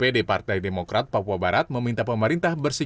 ketua dpc manokwari selatan kabupaten tambrawu